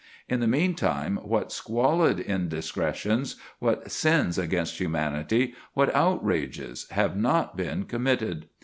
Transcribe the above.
In the meantime what squalid indiscretions, what sins against humanity, what outrages, have not been committed?